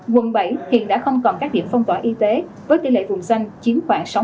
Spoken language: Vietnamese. quận bảy hiện đã không còn các điểm phong tỏa y tế với tỷ lệ vùng xanh chiếm khoảng sáu mươi